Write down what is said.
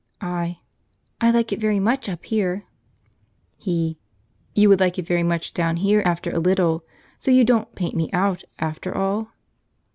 I. "I like it very much up here." He. "You would like it very much down here, after a little. So you didn't 'paint me out,' after all?"